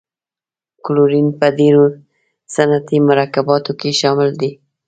کلورین په ډیرو صنعتي مرکباتو کې شامل دی.